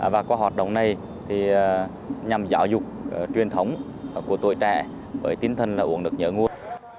và qua hoạt động này nhằm giáo dục truyền thống của tuổi trẻ với tinh thần uống nước nhớ nguồn